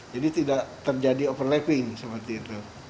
jadi tidak terjadi overlapping seperti itu